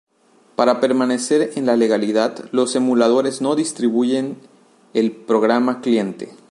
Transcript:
Para permanecer en la legalidad, los emuladores no distribuyen el programa cliente.